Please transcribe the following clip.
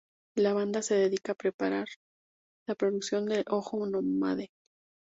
La banda se dedica preparar la producción de Ojo Nómade.